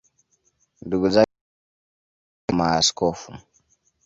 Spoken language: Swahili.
Ndugu zake watatu pia walikuwa maaskofu.